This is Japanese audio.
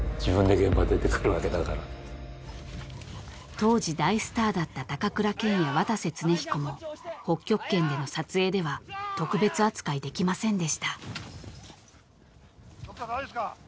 ［当時大スターだった高倉健や渡瀬恒彦も北極圏での撮影では特別扱いできませんでした］